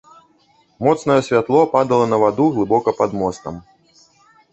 Моцнае святло падала на ваду, глыбока пад мостам.